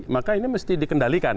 maka ini mesti dikendalikan